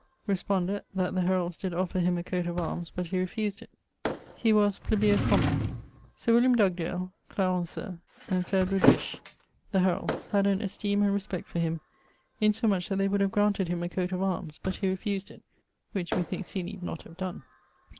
Respondet that the heralds did offer him a coat of armes but he refused it. <_He was 'plebeius homo.'_> Sir William Dugdale (Clarenceux), and Sir Edward Bisshe, the heralds, had an esteeme and respect for him, in so much that they would have graunted him a coate of armes; but he refused it which methinkes he neede not have donne.